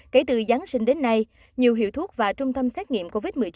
kể từ giáng sinh đến nay nhiều hiệu thuốc và trung tâm xét nghiệm covid một mươi chín